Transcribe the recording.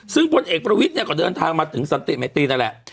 ซึ่งพลเอกประวิทย์เนี่ยก็เดินทางมาถึงสันติมัยตีนั่นแหละ